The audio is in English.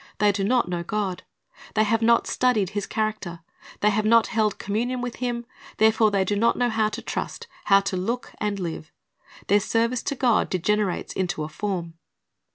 They do not know God. They have not studied His character; they have not held communion with Him; therefore they do not know how to trust, how to look and live. Their service to God degenerates into a form.